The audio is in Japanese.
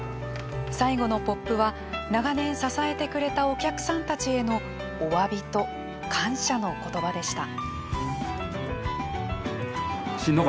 最後のポップは長年支えてくれたお客さんたちへのお詫びと感謝の言葉でした。